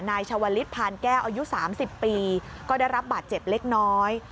ชาวลิศพานแก้วอายุ๓๐ปีก็ได้รับบาดเจ็บเล็กน้อย